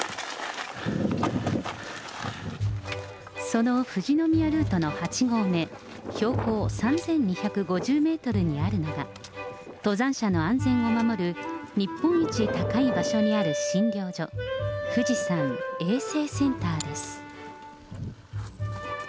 その富士宮ルートの８合目、標高３２５０メートルにあるのが、登山者の安全を守る、日本一高い場所にある診療所、富士山衛生センターです。